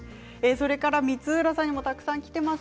光浦さんにもたくさんきています。